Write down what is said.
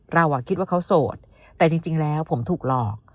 เราคิดว่าเขาโสดแต่จริงแล้วผมถูกหลอก